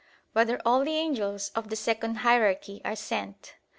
4] Whether All the Angels of the Second Hierarchy Are Sent?